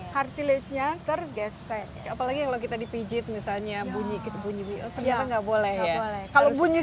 kartilisnya tergesek apalagi kalau kita dipijit misalnya bunyi bunyi ya nggak boleh kalau bunyi